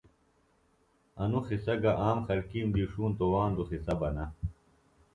انوۡ قصہ گہ عام خلکیم دی ݜونتوۡ واندوۡ قِصہ بہ نہ